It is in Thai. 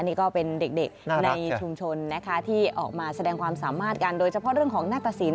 นี่ก็เป็นเด็กในชุมชนนะคะที่ออกมาแสดงความสามารถกันโดยเฉพาะเรื่องของหน้าตะสิน